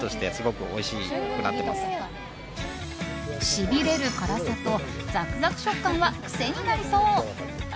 しびれる辛さとザクザク食感は癖になりそう！